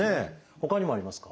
ほかにもありますか？